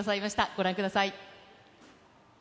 ご覧ください。